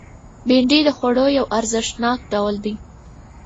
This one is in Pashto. بېنډۍ د خوړو یو ارزښتناک ډول دی